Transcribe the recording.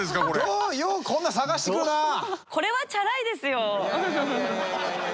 これはチャラいですよ！